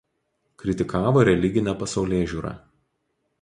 Kritikavo religinę pasaulėžiūrą.